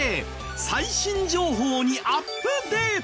最新情報にアップデート！